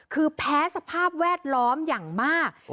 คือแพ้สภาพแวดล้อมอย่างมาก